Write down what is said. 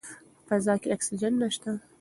په فضا کې اکسیجن نشته.